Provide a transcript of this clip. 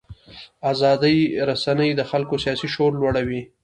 ازادې رسنۍ د خلکو سیاسي شعور لوړوي.